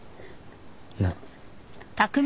なっ。